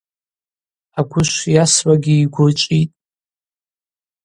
Агвышв йасуагьи йгвы чӏвитӏ.